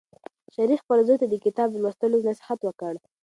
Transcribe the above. شریف خپل زوی ته د کتاب لوستلو نصیحت وکړ.